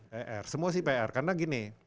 pr semua sih pr karena gini